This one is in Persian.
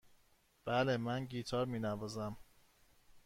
بله، من گیتار می نوازم.